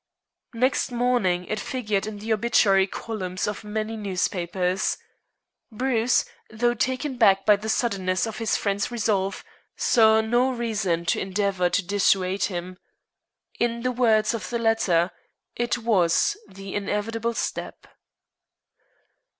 Next morning it figured in the obituary columns of many newspapers. Bruce, though taken back by the suddenness of his friend's resolve, saw no reason to endeavor to dissuade him. In the words of the letter, it was "the inevitable step."